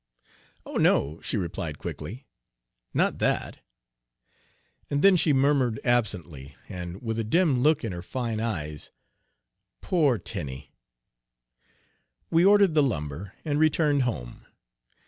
"Oh, no," she replied quickly, "not Page 61 that;" and then she murmured absently, and with a dim look in her fine eyes, "Poor Tenie!" We ordered the lumber, and returned home.